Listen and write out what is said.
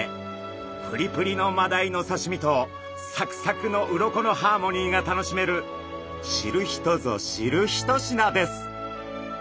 プリプリのマダイのさしみとサクサクの鱗のハーモニーが楽しめる知る人ぞ知る一品です。